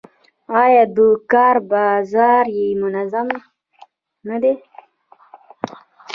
آیا د کار بازار یې منظم نه دی؟